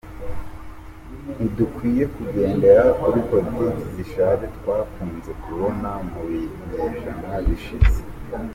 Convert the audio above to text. Ntidukwiye kugendera kuri politiki zishaje twakunze kubona mu binyejana bishize.